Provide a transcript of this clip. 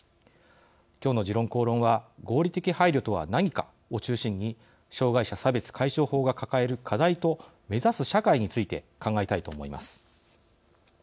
今日の「時論公論」は合理的配慮とは何かを中心に障害者差別解消法が抱える課題と目指す社会について考えたいと思います。